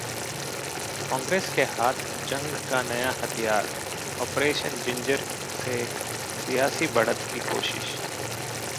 कांग्रेस के हाथ जंग का नया हथियार, 'ऑपरेशन जिंजर' से सियासी बढ़त की कोशिश